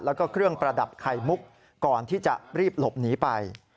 แล้วก็เครื่องประดับไข่มุกก่อนที่จะรีบหลบหนีไป